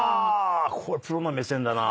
これプロの目線だな。